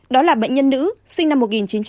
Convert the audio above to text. đó là bệnh nhân nữ sinh năm một nghìn chín trăm tám mươi